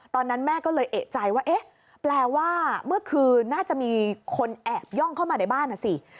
ตอนนั้นแม่ก็เลยเอกใจว่าเอ๊ะแปลว่าเมื่อคืนน่าจะมีคนแอบย่องเข้ามาในบ้านนะสิ